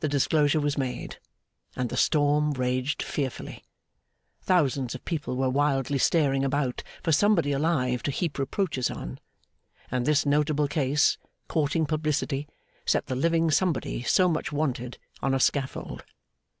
The disclosure was made, and the storm raged fearfully. Thousands of people were wildly staring about for somebody alive to heap reproaches on; and this notable case, courting publicity, set the living somebody so much wanted, on a scaffold.